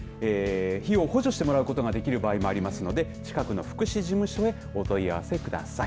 費用を補助してもらうことができる場合もありますので近くの福祉事務所へお問い合わせください。